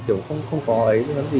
kiểu không có ấy không có gì